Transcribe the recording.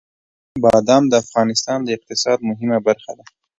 بادام د افغانستان د اقتصاد یوه مهمه برخه ده.